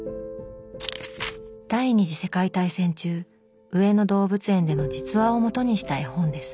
第２次世界大戦中上野動物園での実話を基にした絵本です。